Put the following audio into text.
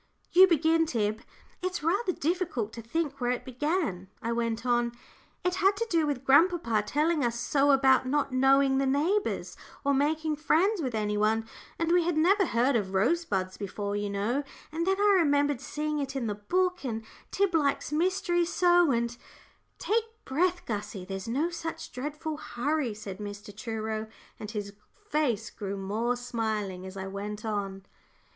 "You begin, Tib. It's rather difficult to think where it began," I went on. "It had to do with grandpapa telling us so about not knowing the neighbours, or making friends with any one, and we had never heard of Rosebuds before, you know, and then I remembered seeing it in the book, and Tib likes mysteries so, and " "Take breath, Gussie, there's no such dreadful hurry," said Mr. Truro, and his face grew more smiling as I went on.